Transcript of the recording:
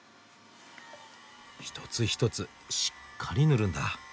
一つ一つしっかり塗るんだ。